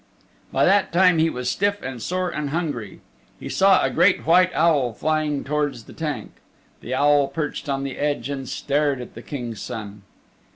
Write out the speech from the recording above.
By that time he was stiff and sore and hungry. He saw a great white owl flying towards the tank. The owl perched on the edge and stared at the King's Son.